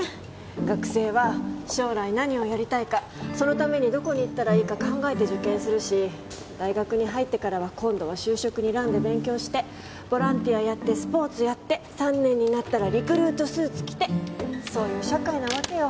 学生は将来何をやりたいかそのためにどこに行ったらいいか考えて受験するし大学に入ってからは今度は就職にらんで勉強してボランティアやってスポーツやって３年になったらリクルートスーツ着てそういう社会なわけよ